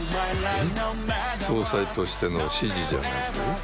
「総裁としての指示じゃなく？」